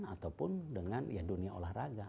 ataupun dengan dunia olahraga